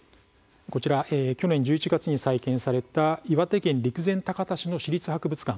去年１１月に再建された岩手県陸前高田市の市立博物館。